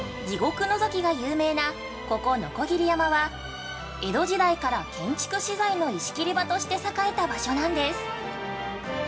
「地獄のぞき」が有名なここ鋸山は、江戸時代から建築資材の石切り場として栄えた場所なんです。